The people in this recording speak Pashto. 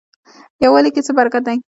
یووالي کې څه برکت دی؟